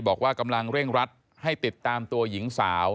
บอกว่ากำลังเร่งรัดให้ติดตามตัวหญิงสาว